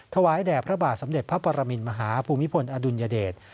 ถวายแด่พระบาทสมเด็จพระปรมินมหาภูมิพลอดุลยเดช